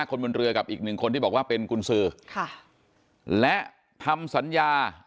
คนบนเรือกับอีกหนึ่งคนที่บอกว่าเป็นกุญสือค่ะและทำสัญญา